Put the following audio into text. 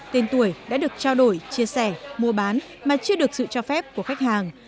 tên tuổi đã được trao đổi chia sẻ mua bán mà chưa được sự cho phép của khách hàng